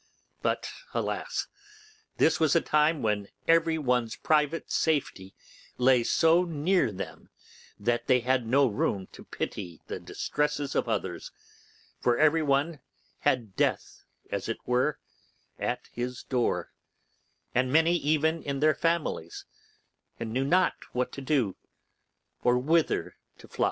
But, alas! this was a time when every one's private safety lay so near them that they had no room to pity the distresses of others; for every one had death, as it were, at his door, and many even in their families, and knew not what to do or whither to fly.